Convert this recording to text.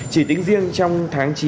chỉ tính riêng trong tháng chín